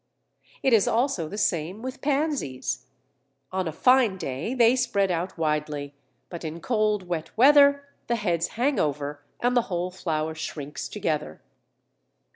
It is also the same with Pansies. On a fine day they spread out widely, but in cold wet weather the heads hang over and the whole flower shrinks together.